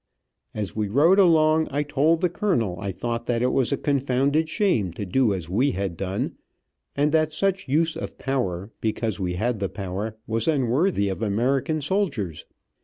As we rode along I told the colonel I thought it was a confounded shame to do as we had done, and that such a use of power, because we had the power, was unworthy of American soldiers.